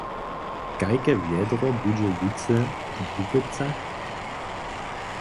Kajke wjedro budźe jutře w Bukecach?